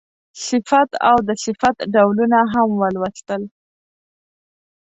صفت او د صفت ډولونه هم ولوستل.